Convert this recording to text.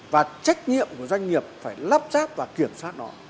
và trách nhiệm của doanh nghiệp phải lắp ráp và kiểm soát nó